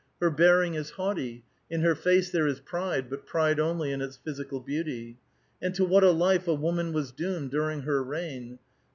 Her bearing is haughty ; in her face there is pride, but pride only in its physical beauty. And to what a life a woman was doomed during her reign!